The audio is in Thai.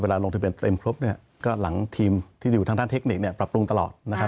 ลงทะเบียนเต็มครบเนี่ยก็หลังทีมที่อยู่ทางด้านเทคนิคเนี่ยปรับปรุงตลอดนะครับ